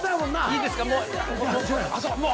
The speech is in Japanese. いいですかもう。